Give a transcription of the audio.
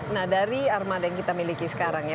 nah dari armada yang kita miliki sekarang ya